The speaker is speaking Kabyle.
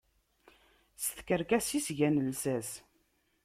S tkerkas i s-gan llsas.